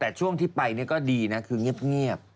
แต่ช่วงที่ไปก็ดีนะคือเงียบ